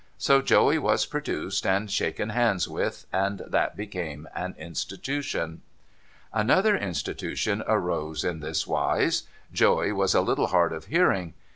So Joey was produced and shaken hands with, and that became an Institution. Another Institution arose in this wise. Joey was a little hard of hearing.